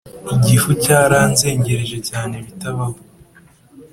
Igifu cyaranzengereje cyane bitabaho